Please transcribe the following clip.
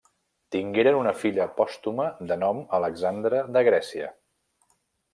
Tingueren una filla pòstuma de nom Alexandra de Grècia.